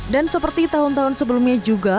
dan seperti tahun tahun sebelumnya juga